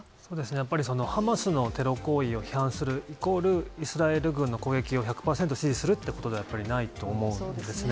やっぱり、ハマスのテロ行為を批判するイコール、イスラエル軍の攻撃を１００％支持するっていうことではないと思うんですね。